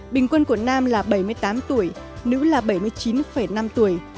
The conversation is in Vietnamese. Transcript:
bình quân của nam là bảy mươi tám tuổi nữ là bảy mươi chín năm tuổi